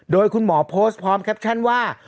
โดยคุณหมอโพสต์พร้อมแคปชั่นว่า